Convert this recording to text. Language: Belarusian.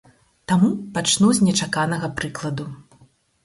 Таму пачну з нечаканага прыкладу.